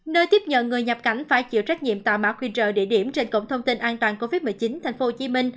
nơi tiếp nhận người nhập cảnh phải chịu trách nhiệm tạo mã qr địa điểm trên cổng thông tin an toàn covid một mươi chín tp hcm